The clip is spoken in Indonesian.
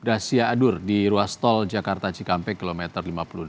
rahasia adur di ruas tol jakarta cikampek kilometer lima puluh delapan